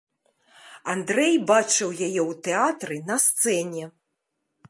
Андрэй бачыў яе ў тэатры на сцэне.